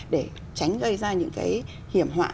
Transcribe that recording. để tránh gây ra những cái hiểm họa